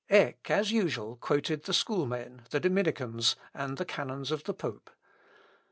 Eck, as usual, quoted the schoolmen, the dominicans, and the canons of the pope.